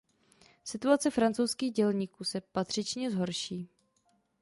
Situace francouzských dělníků se patřičně zhorší.